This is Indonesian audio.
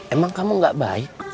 emang kamu gak baik